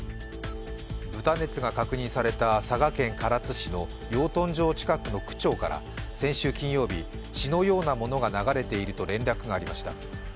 豚熱が確認された佐賀県唐津市の養豚場近くの区長から先週金曜日、血のようなものが流れていると連絡がありました。